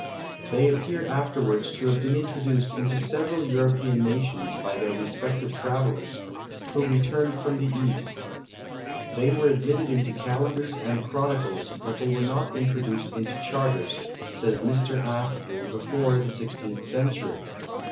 They appear afterwards to have been introduced into several European nations by their respective travellers, who returned from the East. They were admitted into calendars and chronicles, but they were not introduced into charters, says Mr. Astle, before the sixteenth century.